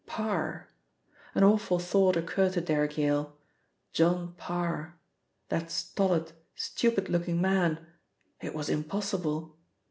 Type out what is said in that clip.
Parr! An awful thought occurred to Derrick Yale. John Parr! That stolid, stupid looking man it was impossible!